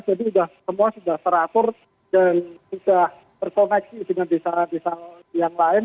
jadi sudah semua sudah teratur dan sudah terkoneksi dengan desa desa yang lain